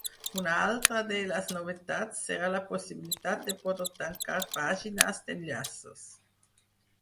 Una altra de les novetats serà la possibilitat de poder tancar pàgines d'enllaços.